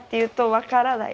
「分からない」